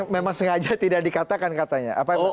memang sengaja tidak dikatakan katanya